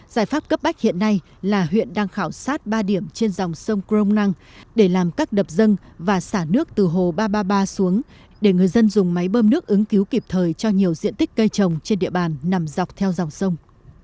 giải pháp cấp bách hiện nay là huyện đang khảo sát ba điểm trên dòng sông crom năng để làm các đập dân và xả nước từ hồ ba trăm ba mươi ba xuống để người dân dùng máy bơm nước ứng cứu kịp thời cho nhiều diện tích cây trồng trên địa bàn nằm dọc theo dòng sông